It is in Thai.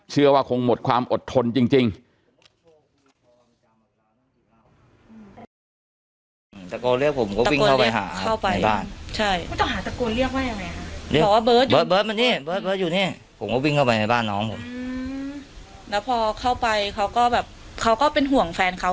เชื่อว่าคงหมดความอดทนจริง